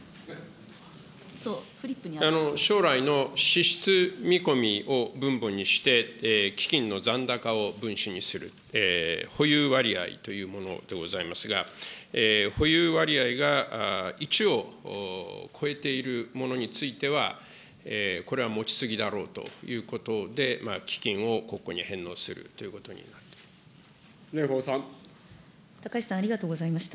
将来の支出見込みを分母にして、基金の残高を分子にする、保有割合というものでございますが、保有割合が１を超えているものについては、これは持ち過ぎだろうということで、基金を国庫に返納するということになっております。